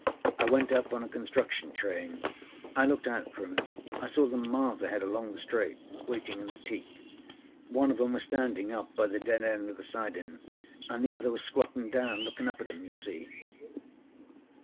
I went up on a construction train. I looked out for âem. I saw them miles ahead along the straight, waiting in the teak. One of âem was standinâ up by the dead end of the siding anâ the other was squattinâ down lookinâ up at âim, you see.